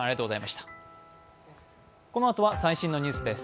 このあとは最新のニュースです。